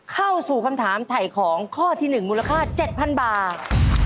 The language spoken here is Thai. เข้าสู่คำถามถ่ายของข้อที่๑มูลค่า๗๐๐บาท